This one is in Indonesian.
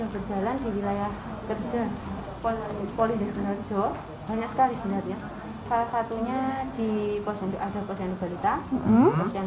kalau program kesehatan yang sudah berjalan di wilayah kerja polindes desa kendal rejo banyak sekali sebenarnya